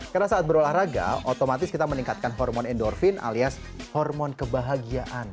karena saat berolahraga otomatis kita meningkatkan hormon endorfin alias hormon kebahagiaan